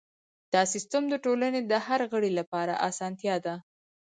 دا سیستم د ټولنې د هر غړي لپاره اسانتیا ده.